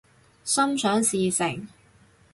心想事成